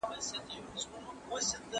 ¬ خدايه ما ښه مه کې، ما په ښو خلگو واده کې!